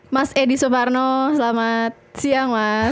mas edi suparno selamat siang mas